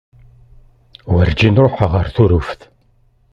Weǧin ruḥeɣ ɣer Tuṛuft.